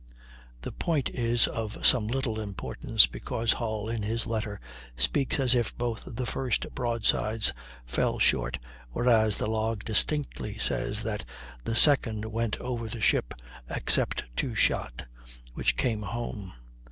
The point is of some little importance because Hull, in his letter, speaks as if both the first broadsides fell short, whereas the log distinctly says that the second went over the ship, except two shot, which came home.